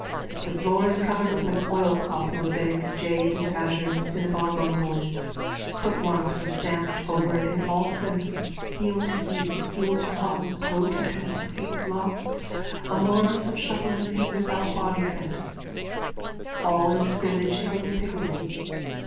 The floor is covered with an oilcloth mosaic of jade and azure and cinnabar rhomboids. Footmarks are stamped over it in all senses, heel to heel, heel to hollow, toe to toe, feet locked, a morris of shuffling feet without body phantoms, all in a scrimmage higgledypiggledy.